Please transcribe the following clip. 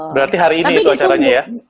berarti hari ini itu acaranya ya